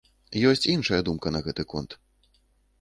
Ёсць іншая думка на гэты конт.